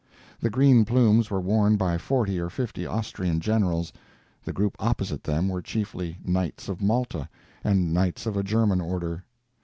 The green plumes were worn by forty or fifty Austrian generals, the group opposite them were chiefly Knights of Malta and knights of a German order.